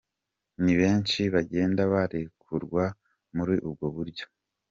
Ni benshi bagenda barekurwa muri ubwo buryo.